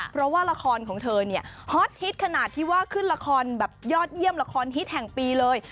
เพราะว่าละครของเธอเนี่ยฮอตฮิตขนาดที่ว่าขึ้นละครแบบยอดเยี่ยมละครฮิตแห่งปีเลย